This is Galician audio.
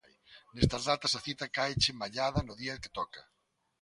Nesas datas, a cita cáeche mallada no día que toca.